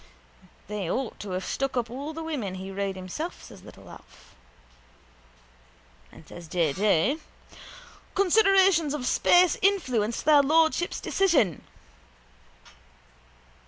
—They ought to have stuck up all the women he rode himself, says little Alf. And says J. J.: —Considerations of space influenced their lordships' decision.